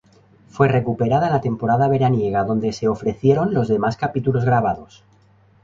Fue recuperada en la temporada veraniega, donde se ofrecieron los demás capítulos grabados.